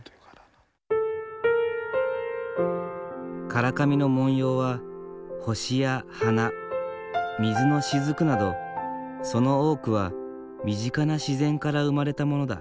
唐紙の文様は星や花水の滴などその多くは身近な自然から生まれたものだ。